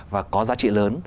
và có giá trị lớn